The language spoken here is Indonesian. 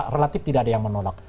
relatif tidak ada yang menolak